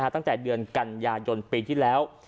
ตั้งแต่เดือนกันยายนปีที่แล้ว